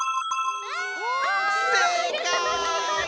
せいかい！